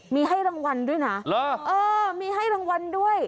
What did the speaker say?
มีให้รางวัลด้วยนะเออมีให้รางวัลด้วย